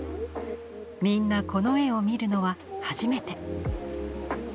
みんなこの絵を見るのは初めて。